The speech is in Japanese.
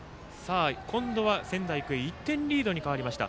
今度は仙台育英１点リードに変わりました。